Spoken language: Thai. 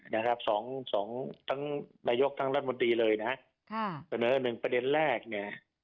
นะครับสองสองทั้งนายกทั้งรัฐมนตรีเลยนะฮะค่ะเสนอหนึ่งประเด็นแรกเนี่ย